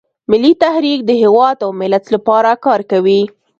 ملي تحریک د هیواد او ملت لپاره کار کوي